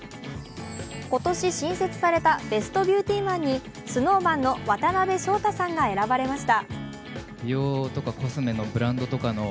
今年新設されたベストビューティマンにＳｎｏｗＭａｎの渡辺翔太さんが選ばれました。